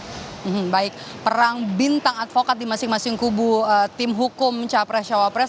terima kasih pada saat ini kita sudah melihat perang bintang advokat di masing masing kubu tim hukum capres syawapres